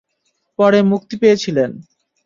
পরে মুক্তি পেয়েছিলেন।